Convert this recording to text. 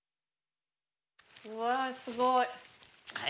うわあすごい。